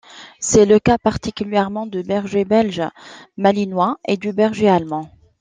C'est le cas particulièrement du berger belge malinois et du berger allemand.